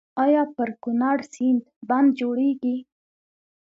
آیا پر کنړ سیند بند جوړیږي؟